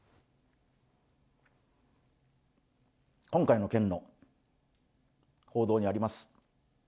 今回の件の報道にあります